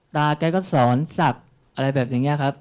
แกก็สอนศักดิ์อะไรแบบอย่างนี้ครับ